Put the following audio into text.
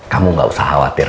kamu gak usah khawatir